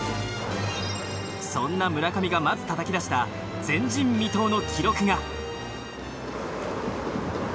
そんな村上がまずたたき出した前人未到の記録が。